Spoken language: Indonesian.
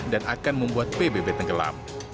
dan akan membuat pbb tenggelam